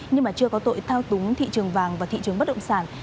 nhưng mà chưa có tội thao túng thị trường vàng và thị trường bất động sản